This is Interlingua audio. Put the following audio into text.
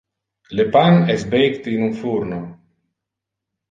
Le pan es baked in un furno.